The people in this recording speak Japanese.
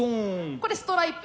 これストライプ。